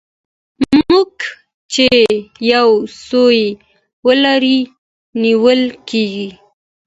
موږک چي یو سوری ولري نیول کېږي.